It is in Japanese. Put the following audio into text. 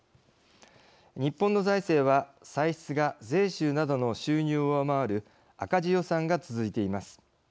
日本の財政は歳出が税収などの収入を上回る赤字予算が続いています。